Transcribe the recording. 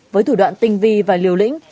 với thủ đoạn tinh vi và liều lĩnh